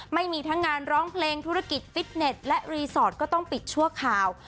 ไม่มีทั้งงานร้องเพลงธุรกิจฟิตเน็ตและรีสอร์ทก็ต้องปิดชั่วคราว